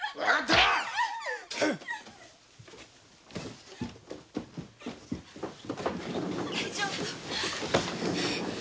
大丈夫？